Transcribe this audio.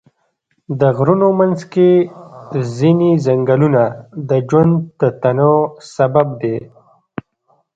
د غرونو منځ کې ځینې ځنګلونه د ژوند د تنوع سبب دي.